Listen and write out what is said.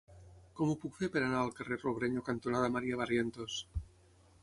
Com ho puc fer per anar al carrer Robrenyo cantonada Maria Barrientos?